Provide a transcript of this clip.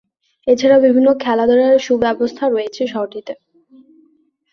এছাড়াও বিভিন্ন খেলাধূলার সুব্যবস্থা রয়েছে শহরটিতে।